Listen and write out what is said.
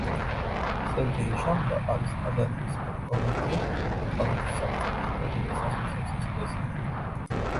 სერგეი შამბა არის თადარიგის პოლკოვნიკი, აფხაზეთის საბრძოლო ხელოვნების ასოციაციის პრეზიდენტი.